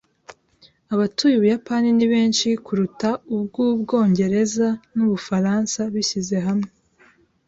Abatuye Ubuyapani ni benshi kuruta ubw'Ubwongereza n'Ubufaransa bishyize hamwe.